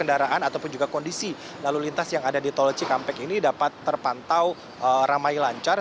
kendaraan ataupun juga kondisi lalu lintas yang ada di tol cikampek ini dapat terpantau ramai lancar